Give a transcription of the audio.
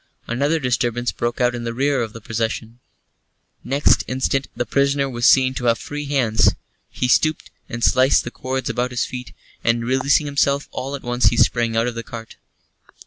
Another disturbance broke out in the rear of the procession. Next instant the prisoner was seen to have free hands. He stooped and sliced the cords about his feet, and, releasing himself, all at once he sprang out of the cart.